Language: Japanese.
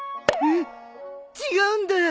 うっ違うんだ！